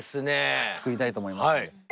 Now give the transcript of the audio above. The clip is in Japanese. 一品作りたいと思います。